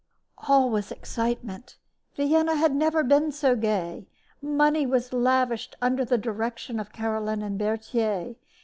All was excitement. Vienna had never been so gay. Money was lavished under the direction of Caroline and Berthier.